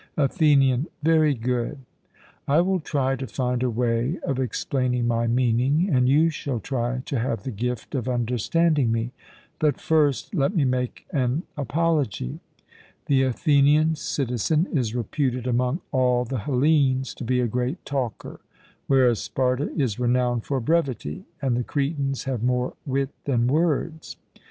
ATHENIAN: Very good; I will try to find a way of explaining my meaning, and you shall try to have the gift of understanding me. But first let me make an apology. The Athenian citizen is reputed among all the Hellenes to be a great talker, whereas Sparta is renowned for brevity, and the Cretans have more wit than words.